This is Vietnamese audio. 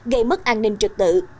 gây mất an ninh trực tự